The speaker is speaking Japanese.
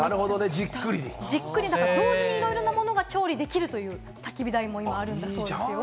同時にいろいろなものが調理できるというたき火台もあるんです。